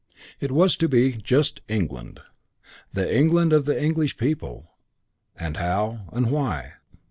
It was to be just "England"; the England of the English people and how and why.